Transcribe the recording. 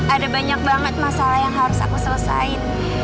ada banyak banget masalah yang harus aku selesai